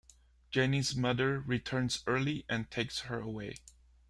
Jenny's mother returns early and takes her away.